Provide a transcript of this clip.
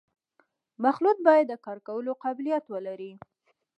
مخلوط باید د کار کولو قابلیت ولري